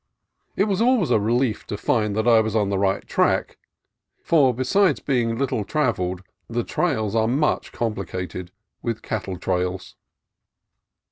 It was always a relief to find that I was on the right track, for besides being little travelled the trails are much complicated with cattle trails.